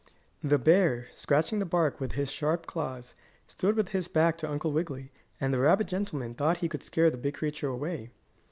The bear, scratching the bark with his sharp claws, stood with his back to Uncle Wiggily, and the rabbit gentleman thought he could scare the big creature away.